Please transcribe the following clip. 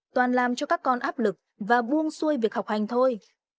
toàn làm cho các con áp lực và buông xuôi việc học hành thôi